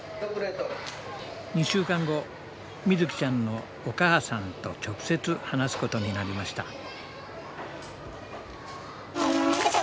２週間後みずきちゃんのお母さんと直接話すことになりました。